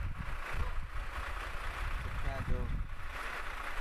پٺيان جو.